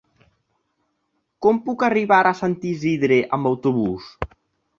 Com puc arribar a Sant Isidre amb autobús?